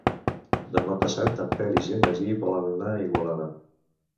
Demà passat en Peris i en Magí volen anar a Igualada.